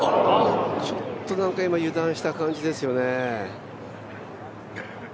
ちょっとなんか今、油断した感じですよね。